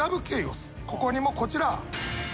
ここにもこちら。